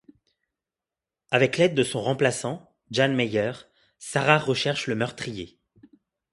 Avec l'aide de son remplaçant, Jan Meyer, Sarah recherche le meurtrier.